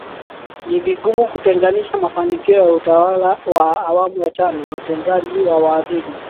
ni vigumu kutenganisha mafanikio ya utawala wa Awamu ya Tano na utendaji wa Waziri